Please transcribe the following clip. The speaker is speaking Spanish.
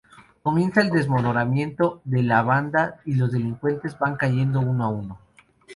Comienza el desmoronamiento de la banda, y los delincuentes van cayendo uno a uno.